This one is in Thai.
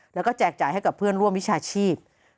แล้วก็แจกจ่ายให้กับเพื่อนร่วมวิชาชีพ